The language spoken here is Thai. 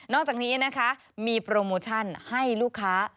อกจากนี้นะคะมีโปรโมชั่นให้ลูกค้า